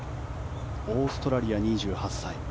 オーストラリア、２８歳。